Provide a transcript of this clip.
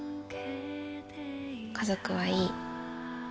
家族はいい。